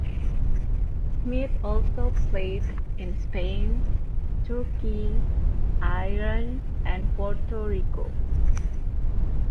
Smith also played in Spain, Turkey, Iran, and Puerto Rico.